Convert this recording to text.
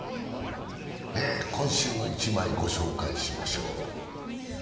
「今週の一枚」をご紹介しましょう。